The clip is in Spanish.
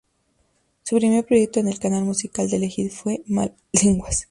Su primer proyecto en el canal musical Telehit fue "Malas Lenguas".